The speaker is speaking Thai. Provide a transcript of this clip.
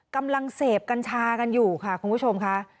กำลังเสพกัญชากันอยู่ค่ะคุณผู้ชมค่ะ